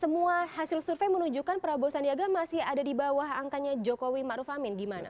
semua hasil survei menunjukkan prabowo sandiaga masih ada di bawah angkanya jokowi marufamin gimana